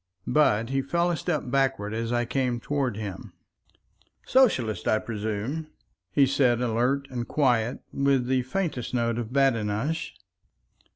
But he fell a step backward as I came toward him. "Socialist, I presume?" he said, alert and quiet and with the faintest note of badinage.